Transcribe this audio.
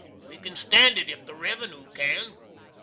We can stand it if the Revenoo can.